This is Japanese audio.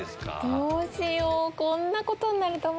どうしよう？